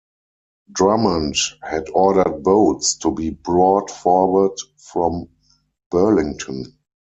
Drummond had ordered boats to be brought forward from Burlington.